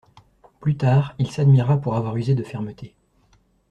Plus tard, il s'admira pour avoir usé de fermeté.